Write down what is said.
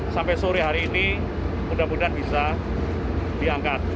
sampai sore hari ini mudah mudahan bisa diangkat